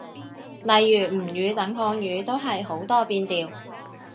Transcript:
例如吳語等漢語，都係好多變調